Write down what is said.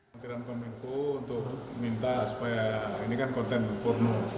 kementerian komunikasi dan informatika untuk meminta supaya ini kan konten porno